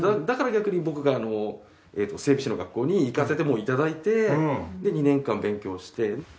だから逆に僕が整備士の学校に行かせてもいただいて２年間勉強して。